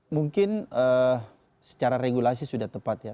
mungkin secara regulasi sudah tepat ya